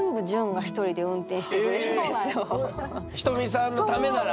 ひとみさんのためなら？